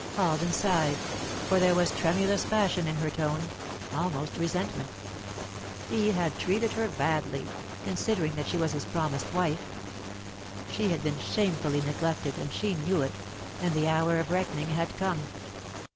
Alden sighed, for there was tremulous passion in her tone almost resentment. He had treated her badly, considering that she was his promised wife. She had been shamefully neglected, and she knew it, and the hour of reckoning had come.